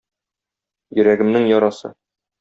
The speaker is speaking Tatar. Йөрәгемнең ярасы.